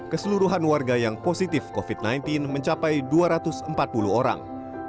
keseluruhan warga yang positif covid sembilan belas mencapai dua ratus empat puluh orang